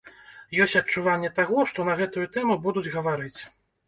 Ёсць адчуванне таго, што на гэтую тэму будуць гаварыць.